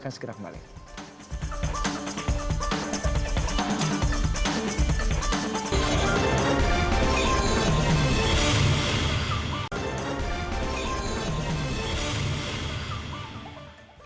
bookmaster persepenggaraan kampus